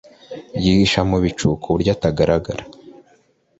Yihisha mu bicu ku buryo atagaragara